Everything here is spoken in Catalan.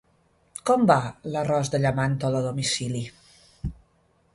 Com va l'arròs de llamàntol a domicili?